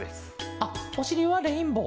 あっおしりはレインボー。